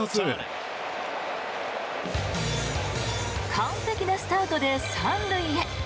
完璧なスタートで３塁へ。